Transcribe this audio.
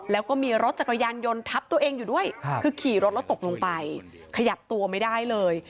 แล้วก็มีรถจักรยานยนต์ทับตัวเองอยู่ด้วยคือขี่รถแล้วตกลงไปขยับตัวไม่ได้เลย